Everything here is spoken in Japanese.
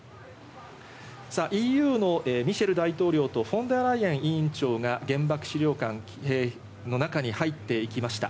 ＥＵのミシェル大統領とフォン・デア・ライエン委員長が原爆資料館の中に入っていきました。